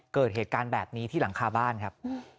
เกิดเหตุการณ์แบบนี้ที่หลังคาบ้านครับ